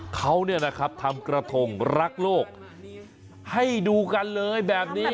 เขาเนี่ยนะครับทำกระทงรักโลกให้ดูกันเลยแบบนี้